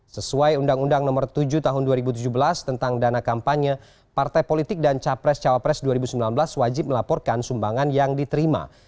sesuai undang undang nomor tujuh tahun dua ribu tujuh belas tentang dana kampanye partai politik dan capres cawapres dua ribu sembilan belas wajib melaporkan sumbangan yang diterima